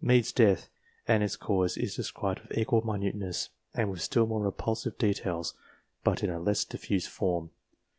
Mede's death, and its cause, is described with equal minuteness, and with still more repulsive details, but in a less diffused form.